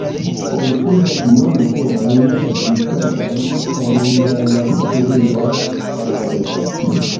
Oni uzas nur literojn ekzistantajn en la cirila alfabeto.